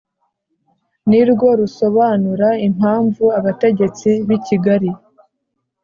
ni rwo rusobanura impamvu abategetsi b'i kigali